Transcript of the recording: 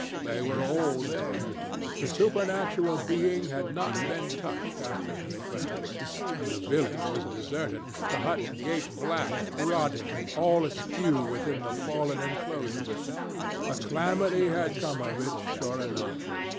They were all there. The supernatural being had not been touched after he fell. And the village was deserted, the huts gaped black, rotting, all askew within the fallen enclosures. A calamity had come to it, sure enough.